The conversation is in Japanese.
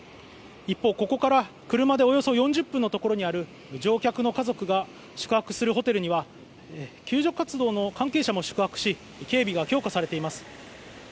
一方、ここから車でおよそ４０分のところにある乗客の家族が宿泊するホテルには救助活動の関係者も宿泊し警備が強化されています。